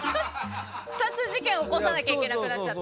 ２つ、事件を起こさなきゃいけなくなっちゃって。